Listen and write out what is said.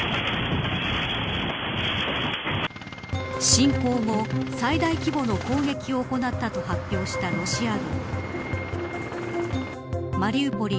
侵攻後、最大規模の攻撃を行ったと発表したロシア軍マリウポリ